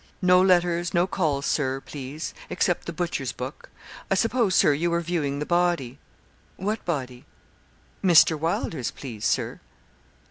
'No letters, nor calls, Sir, please, except the butcher's book. I s'pose, Sir, you were viewing the body?' 'What body?' 'Mr. Wylder's, please, Sir.'